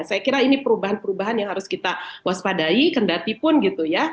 saya kira ini perubahan perubahan yang harus kita waspadai kendati pun gitu ya